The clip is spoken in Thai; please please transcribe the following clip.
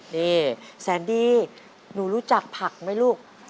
นี่แสนดีหนูรู้จักผักไหมลูก